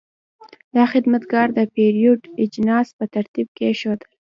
دا خدمتګر د پیرود اجناس په ترتیب کېښودل.